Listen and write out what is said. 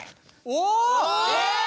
お！